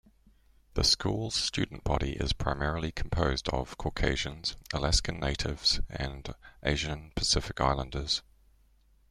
The school's student body is primarily composed of Caucasians, Alaskan Natives, and Asian-Pacific Islanders.